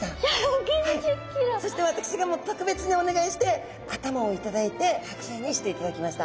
そして私がもう特別にお願いして頭を頂いて剥製にしていただきました。